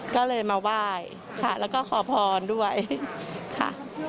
ก็เลยมาว่ายแล้วก็ขอพรด้วยค่ะ